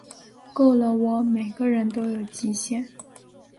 够了喔，每个人都有极限